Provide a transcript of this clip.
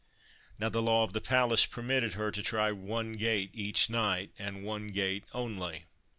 Now the law of the palace permitted her to try one gate each night, and one gate only.